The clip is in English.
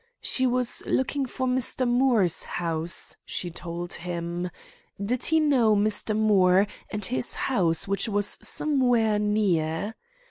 She was looking for Mr. Moore's house, she told him. Did he know Mr. Moore, and his house which was somewhere near?